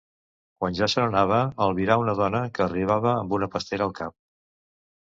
Quan ja se n'anava, albirà una dona que arribava amb una pastera al cap.